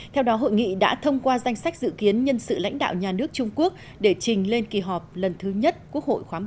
theo đó hội nghị đã thông qua danh sách dự kiến nhân sự lãnh đạo